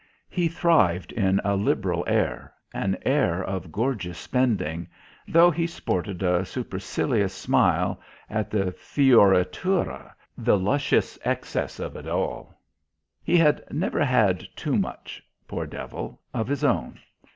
He thrived in a liberal air, an air of gorgeous spending, though he sported a supercilious smile at the fioritura, the luscious excess of it. He had never had too much, poor devil, of his own.